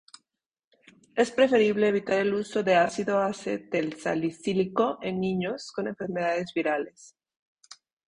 Es preferible evitar el uso de ácido acetilsalicílico en niños con enfermedades virales.